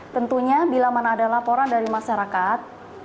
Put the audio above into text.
tentunya bila mana ada laporan dari masyarakat